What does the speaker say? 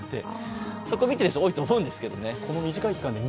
そこを見ている人が多いと思うんですけどね。